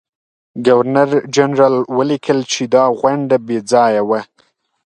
ګورنرجنرال ولیکل چې دا غونډه بې ځایه وه.